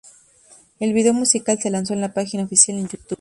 El vídeo musical se lanzó en la página oficial en Youtube.